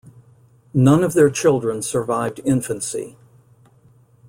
None of their children survived infancy.